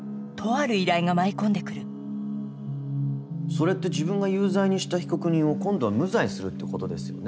それって自分が有罪にした被告人を今度は無罪にするってことですよね？